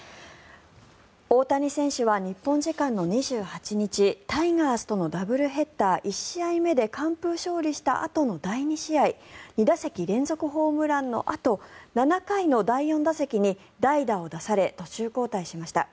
大谷選手は日本時間の２８日タイガースとのダブルヘッダー１試合目で完封勝利したあとの第２試合２打席連続ホームランのあと７回の第４打席に代打を出され途中交代しました。